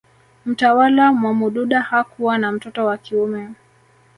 Mtawala Mwamududa hakuwa na mtoto wa kiume